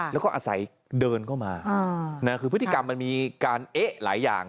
แล้วก็อาศัยเดินเข้ามาคือพฤติกรรมมันมีการเอ๊ะหลายอย่าง